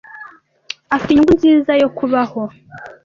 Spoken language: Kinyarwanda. Afite inyungu nziza yo kubaho.